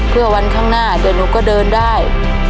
เพื่อวันข้างหน้าเดี๋ยวหนูก็เดินได้